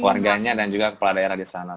warganya dan juga kepala daerah di sana